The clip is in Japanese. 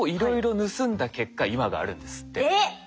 えっ！